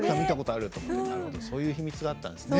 なるほどそういう秘密があったんですね。